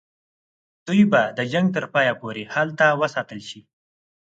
دوی به د جنګ تر پایه پوري هلته وساتل شي.